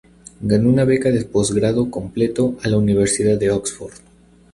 Ganó una beca de postgrado completo a la Universidad de Oxford.